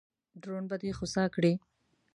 درون به دې خوسا کړي.